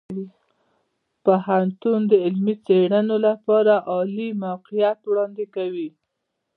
پوهنتون د علمي څیړنو لپاره عالي موقعیت وړاندې کوي.